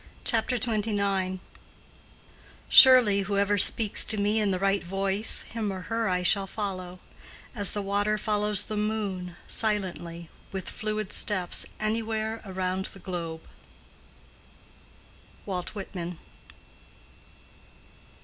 CHAPTER XXIX. "Surely whoever speaks to me in the right voice, him or her I shall follow. As the water follows the moon, silently, with fluid steps anywhere around the globe." —WALT WHITMAN.